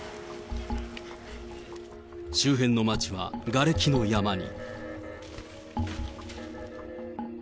周辺の町はがれきの山に。